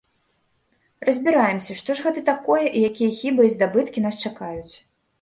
Разбіраемся, што ж гэта такое і якія хібы і здабыткі нас чакаюць.